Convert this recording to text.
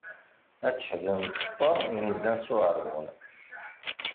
Ad teḥzen lfeṭṭa inzan s uɛeṛbun.